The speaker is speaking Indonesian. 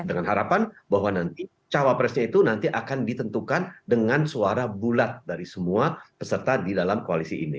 dengan harapan bahwa nanti cawapresnya itu nanti akan ditentukan dengan suara bulat dari semua peserta di dalam koalisi ini